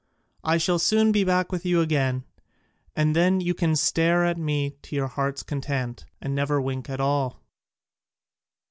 "I shall soon be back with you again, and then you can stare at me to your heart's content, and never wink at all."